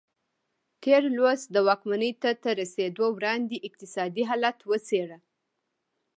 تېر لوست د واکمنۍ ته تر رسېدو وړاندې اقتصادي حالت وڅېړه.